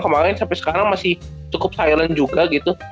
kemarin sampai sekarang masih cukup silent juga gitu